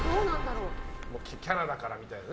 キャラだからみたいな。